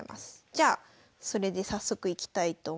じゃあそれで早速いきたいと思います。